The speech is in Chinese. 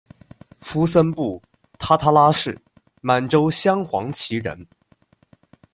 敷森布，他他拉氏，满洲镶黄旗人。